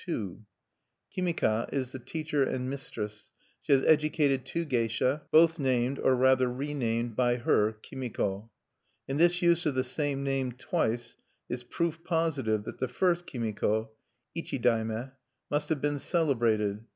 Kimika is the teacher and mistress: she has educated two geisha, both named, or rather renamed by her, Kimiko; and this use of the same name twice is proof positive that the first Kimiko Ichi dai me must have been celebrated.